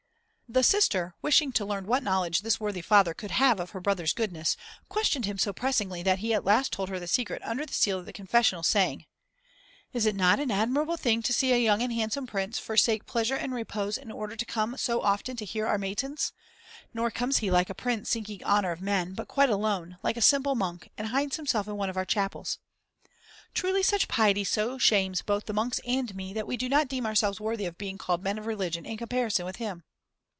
The sister, wishing to learn what knowledge this worthy father could have of her brother's goodness, questioned him so pressingly that he at last told her the secret under the seal of the confessional, saying "Is it not an admirable thing to see a young and handsome Prince forsake pleasure and repose in order to come so often to hear our matins? Nor comes he like a Prince seeking honour of men, but quite alone, like a simple monk, and hides himself in one of our chapels. Truly such piety so shames both the monks and me, that we do not deem ourselves worthy of being called men of religion in comparison with him."